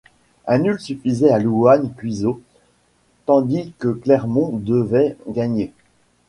Un nul suffisait à Louhans-Cuiseaux tandis que Clermont devait gagner.